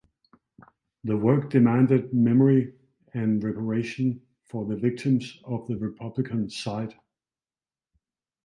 The work demanded memory and reparation for the victims of the Republican side.